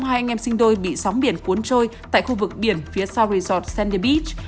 cháu hai anh em sinh đôi bị sóng biển cuốn trôi tại khu vực biển phía sau resort sandy beach